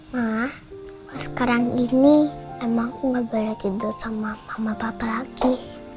ma sekarang ini emang aku gak boleh tidur sama mama papa lagi